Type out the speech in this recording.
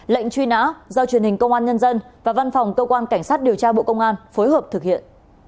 lệnh truy nã do truyền hình công an nhân dân và văn phòng cơ quan cảnh sát điều tra bộ công an phối hợp thực hiện